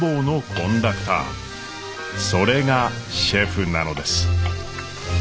それがシェフなのです。